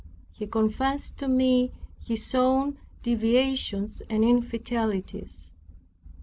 He confessed to me his own deviations and infidelities.